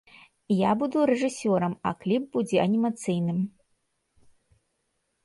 Я буду рэжысёрам, а кліп будзе анімацыйным.